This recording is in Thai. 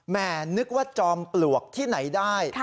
นึกว่าจอมปลวกที่ไหนได้